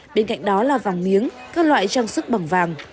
bên cạnh đó là vàng miếng các loại trang sức bằng vàng